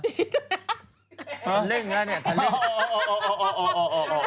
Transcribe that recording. ทะเล่งแล้วนี่ทะเล่งโอ้โห